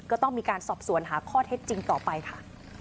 ก็ต้องมีการสอบสวนหาข้อเท็จจริงต่อไปค่ะ